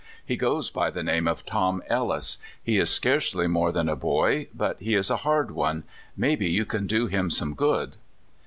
He goes by the name of Tom Ellis. He is scarcely more than a boy, but he is a hard one. Maybe you can do him some good."